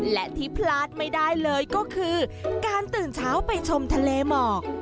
และที่พลาดไม่ได้เลยก็คือการตื่นเช้าไปชมทะเลหมอก